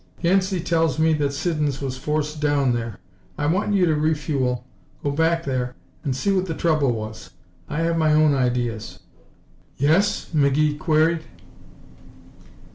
Yancey tells me that Siddons was forced down there. I want you to refuel, go back there and see what the trouble was. I have my own ideas." "Yes?" McGee queried.